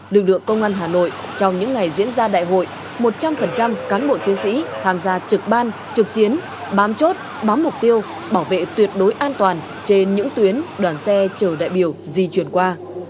lực lượng công an hà nội trong những ngày diễn ra đại hội một trăm linh cán bộ chiến sĩ tham gia trực ban trực chiến bám chốt bám mục tiêu bảo vệ tuyệt đối an toàn trên những tuyến đoàn xe chở đại biểu di chuyển qua